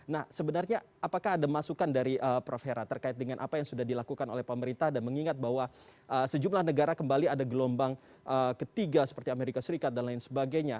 nah sebenarnya apakah ada masukan dari prof hera terkait dengan apa yang sudah dilakukan oleh pemerintah dan mengingat bahwa sejumlah negara kembali ada gelombang ketiga seperti amerika serikat dan lain sebagainya